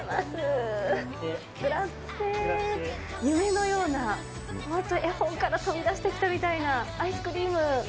夢のような、本当、絵本から飛び出してきたようなアイスクリーム。